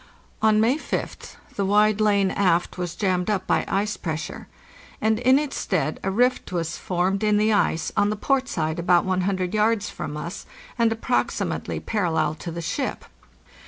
On May 5th the wide lane aft was jammed up by ice pressure, and in its stead a rift was formed in the ice on the port side about 100 yards from us, and approximately parallel to the ship.